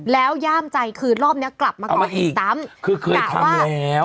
แล้วย่ามใจคือรอบเนี้ยกลับมาก่อนอีกตามคือเคยทำแล้ว